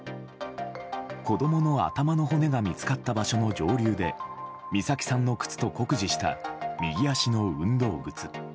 子供の頭の骨が見つかった場所の上流で美咲さんの靴と酷似した右足の運動靴。